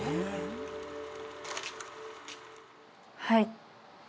はい。